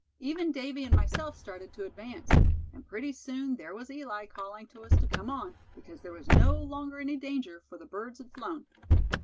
Even Davy and myself started to advance. And pretty soon there was Eli, calling to us to come on, because there was no longer any danger, for the birds had flown."